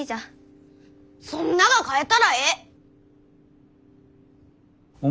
そんなが変えたらえい！